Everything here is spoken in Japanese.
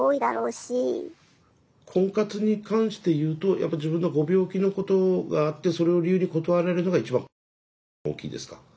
婚活に関して言うとやっぱり自分のご病気のことがあってそれを理由に断られるのが一番怖いっていうのが一番大きいですか？